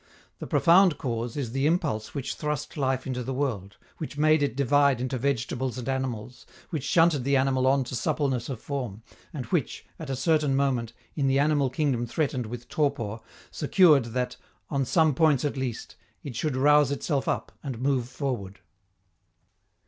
The profound cause is the impulse which thrust life into the world, which made it divide into vegetables and animals, which shunted the animal on to suppleness of form, and which, at a certain moment, in the animal kingdom threatened with torpor, secured that, on some points at least, it should rouse itself up and move forward.